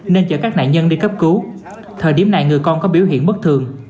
nên chở các nạn nhân đi cấp cứu thời điểm này người con có biểu hiện bất thường